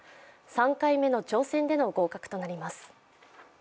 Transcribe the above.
３回目の挑戦での合格となります。